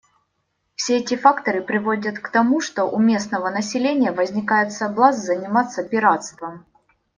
Все эти факторы приводят к тому, что у местного населения возникает соблазн заниматься пиратством.